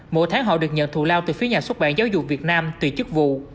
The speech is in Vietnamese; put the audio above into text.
mỗi tháng họ được nhận thù lao từ phía nhà xuất bản giáo dục việt nam tùy chức vụ